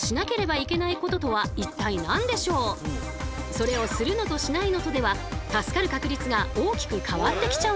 それをするのとしないのとでは助かる確率が大きく変わってきちゃうんだそうですよ。